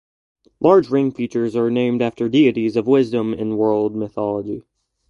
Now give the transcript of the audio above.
Large ring features are named after deities of wisdom in world mythology.